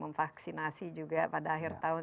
memvaksinasi juga pada akhir tahun